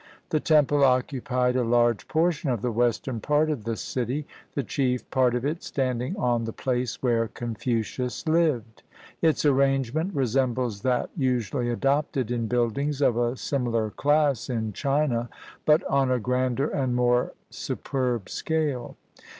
The temple occupied a large portion of the western part of the city, the chief part of it standing on the place where Confucius lived. Its arrangement resembles that usually adopted in buildings of a similar class in China, but on a grander and more superb scale.